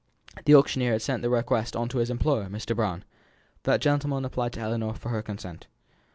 The auctioneer had sent the request onto his employer, Mr. Brown. That gentleman applied to Ellinor for her consent.